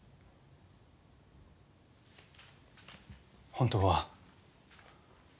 本当は。